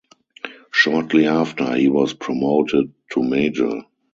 Shortly after, he was promoted to Major.